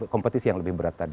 kompetisi yang lebih berat